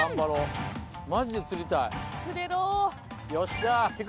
よっしゃ。